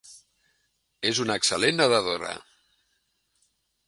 És una excel·lent nedadora.